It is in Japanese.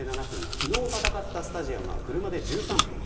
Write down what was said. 昨日戦ったスタジアムは車で１３分。